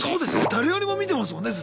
誰よりも見てますもんね